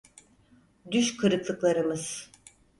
Düş kırıklıklarımız.